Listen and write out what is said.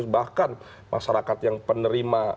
bahkan masyarakat yang penerima